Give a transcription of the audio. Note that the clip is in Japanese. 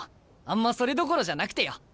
あんまそれどころじゃなくてよ。